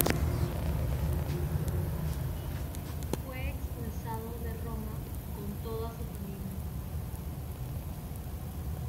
Fue expulsado de Roma con toda su familia.